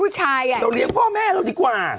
เราเลี้ยงพ่อแม่เราดีกว่า